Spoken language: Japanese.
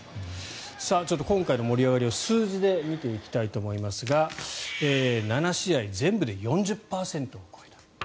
今回の盛り上がりを数字で見ていきたいと思いますが７試合全部で４０％を超えた。